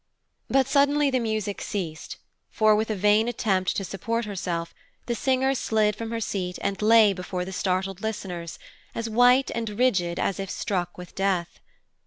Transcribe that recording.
But suddenly the music ceased, for, with a vain attempt to support herself, the singer slid from her seat and lay before the startled listeners, as white and rigid as if struck with death.